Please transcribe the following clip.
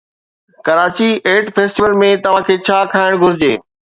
Karachi Eat Festival ۾ توهان کي ڇا کائڻ گهرجي؟